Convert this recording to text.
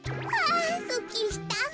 あすっきりした。